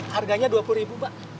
harganya rp dua puluh mbak